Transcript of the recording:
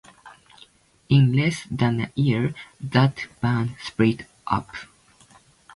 In less than a year, that band split up.